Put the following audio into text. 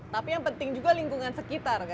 tapi yang penting juga lingkungan sekitar